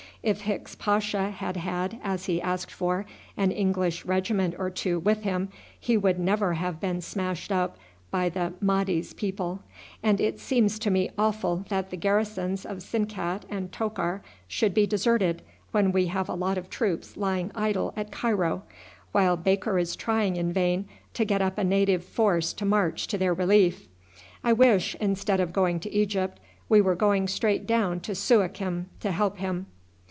If Hicks Pasha had had, as he asked for, an English regiment or two with him, he would never have been smashed up by the Mahdi's people; and it seems to me awful that the garrisons of Sinkat and Tokar should be deserted when we have a lot of troops lying idle at Cairo, while Baker is trying in vain to get up a native force to march to their relief. I wish, instead of going to Egypt, we were going straight down to Suakim to help him.